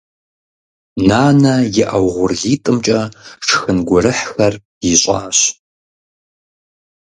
Нанэ и Ӏэ угъурлитӀымкӀэ шхын гурыхьхэр ищӀащ.